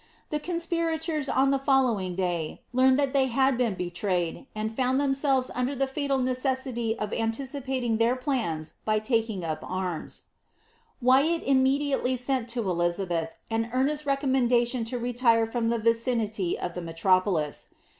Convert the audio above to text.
The conspirators on the follow ing day learned that they had been betrayed, and found themselves under the hil neeeesity of anticipating thmr plans by taking up arms.* Wjrat immediately sent to Elizabeth an earnest recommendation to retire from the vicinity of the metropolis.